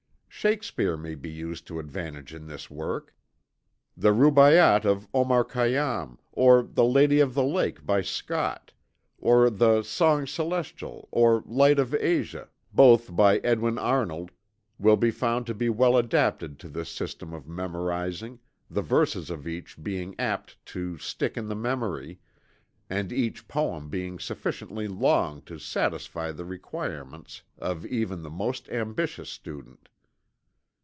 Shakespeare may be used to advantage in this work. The "Rubaiyat" of Omar Khayyam; or the "Lady of the Lake" by Scott; or the "Song Celestial" or "Light of Asia" both by Edwin Arnold, will be found to be well adapted to this system of memorizing, the verses of each being apt to "stick in the memory," and each poem being sufficiently long to satisfy the requirements of even the most ambitious student.